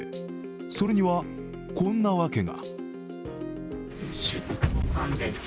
それにはこんな訳が。